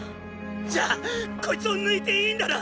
じゃあこいつを抜いていいんだな？